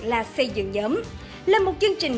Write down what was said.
là xây dựng nhóm là một chương trình